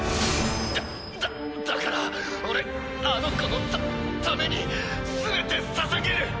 だだだから俺あの子のたために全てささげる！